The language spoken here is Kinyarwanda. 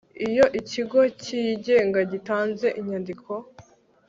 Iyo ikigo cyigenga gitanze inyandiko